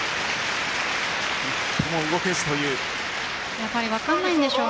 一歩も動けずという。